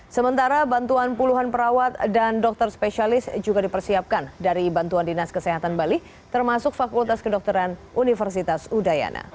sementara bantuan puluhan perawat dan dokter spesialis juga dipersiapkan dari bantuan dinas kesehatan bali termasuk fakultas kedokteran universitas udayana